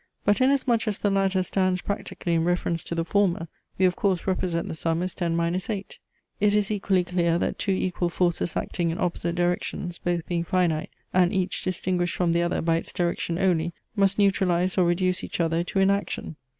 But in as much as the latter stands practically in reference to the former, we of course represent the sum as 10 8. It is equally clear that two equal forces acting in opposite directions, both being finite and each distinguished from the other by its direction only, must neutralize or reduce each other to inaction.